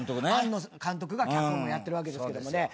庵野監督が脚本をやってるわけですけどもね。